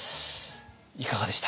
いかがでしたか？